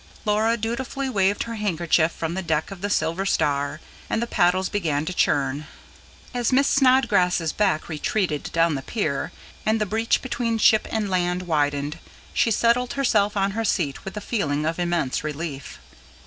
Laura dutifully waved her handkerchief from the deck of the SILVER STAR; and the paddles began to churn. As Miss Snodgrass's back retreated down the pier, and the breach between ship and land widened, she settled herself on her seat with a feeling of immense relief.